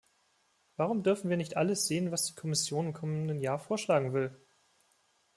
Warum dürfen wir nicht alles sehen, was die Kommission im kommenden Jahr vorschlagen will?